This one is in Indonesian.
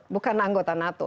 bukan anggota nato